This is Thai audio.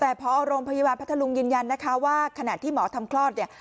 แต่พอโรงพยาบาลพัทธลุงยืนยันนะคะว่าขณะที่หมอทำคลอดเนี่ย